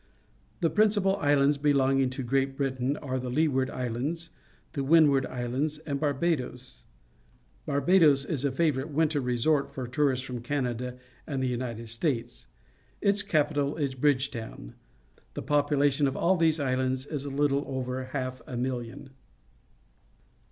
The principal islands belonging to Great Britain are the Leeward Isl ands , the Wind ward Isl andsj and Bnihiidns, Barbados is a favourite winter ic mt lor tourists from Canada and the United States. Its capital is Bridgetown. The population of all these islands is a little over half a million.